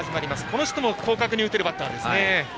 この人も広角に打てるバッターですね。